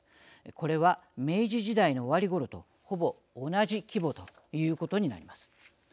これは、明治時代の終わりごろとほぼ同じ規模ということになります。